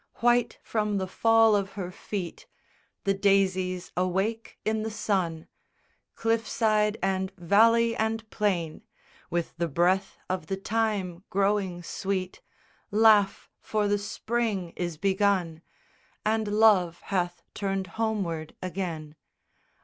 _ II White from the fall of her feet The daisies awake in the sun! Cliff side and valley and plain With the breath of the thyme growing sweet Laugh, for the Spring is begun; And Love hath turned homeward again.